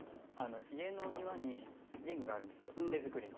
家の庭にリングがあるんですよ手作りの。